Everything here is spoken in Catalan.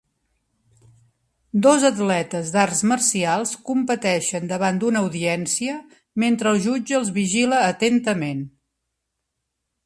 Dos atletes d'arts marcials competeixen davant d'una audiència, mentre el jutge els vigila atentament.